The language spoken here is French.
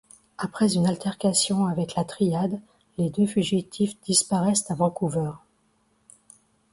Après une altercation avec la triade, les deux fugitifs disparaissent à Vancouver.